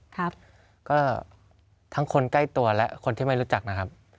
ครับก็ทั้งคนใกล้ตัวและคนที่ไม่รู้จักนะครับ